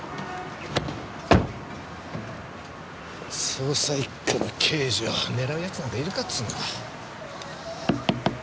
捜査一課の刑事を狙う奴なんかいるかっつうんだ！